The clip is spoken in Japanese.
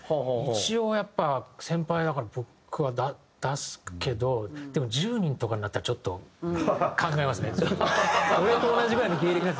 一応やっぱ先輩だから僕は出すけどでも１０人とかになったらちょっと考えますね。